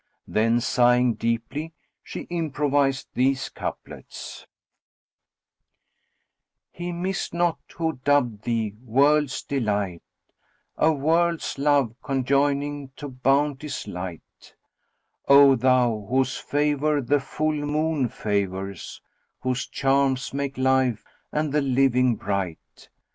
Then, sighing deeply, she improvised these couplets, "He missed not who dubbed thee, 'World's delight,' * A world's love conjoining to bounty's light:[FN#34] O thou, whose favour the full moon favours, * Whose charms make life and the living bright!